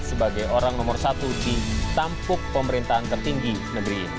sebagai orang nomor satu di tampuk pemerintahan tertinggi negeri ini